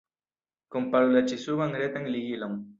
Komparu la ĉi-suban retan ligilon.